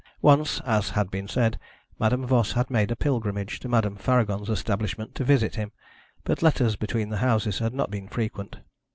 Once, as has been said, Madame Voss had made a pilgrimage to Madame Faragon's establishment to visit him; but letters between the houses had not been frequent.